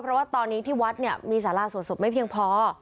เพราะว่าตอนนี้ที่วัดเนี่ยมีสาราสวดศพไม่เพียงพอ